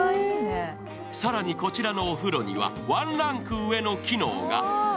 更にこちらのお風呂にはワンランク上の機能が。